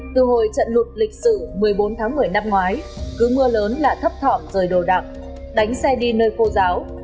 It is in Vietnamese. từ hồi trận lụt lịch sử một mươi bốn tháng một mươi năm ngoái cứ mưa lớn là thấp thỏm rời đồ đạc đánh xe đi nơi khô giáo